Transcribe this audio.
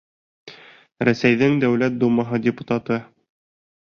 Рәсәйҙең Дәүләт Думаһы депутаты.